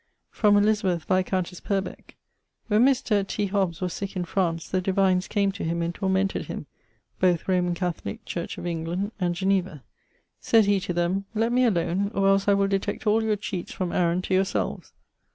Elizabeth, viscountesse Purbec. When Mr. T. Hobbes was sick in France, the divines came to him, and tormented him (both Roman Catholic, Church of England, and Geneva). Sayd he to them 'Let me alone, or els I will detect all your cheates from Aaron to yourselves.'